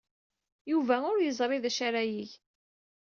Yuba ur yeẓri d acu ara yeg.